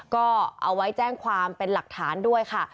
ก็เอาไว้แจ้งความเป็นหลักฐานด้วยค่ะ